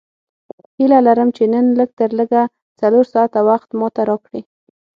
هیله لرم چې نن لږ تر لږه څلور ساعته وخت ماته راکړې.